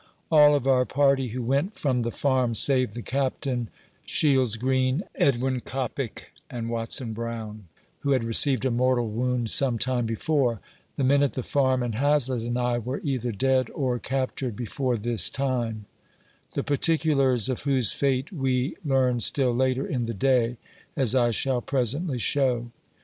All of our party who went from the Farm, save the Captain, Shields Green, Edwin Coppic and Watson Brown, (who had received a mortal wound some time before,) the men at the Farm, and Hazlett and I, were either dead or captured before this time ; the particulars of whose fate wo learned still later in the day, as I shall presently show.